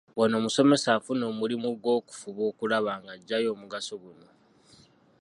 Wano omusomesa afuna omulimu gw’okufuba okulaba ng’aggyayo omugaso guno.